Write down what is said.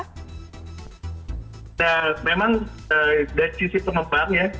nah memang dari sisi pengembang ya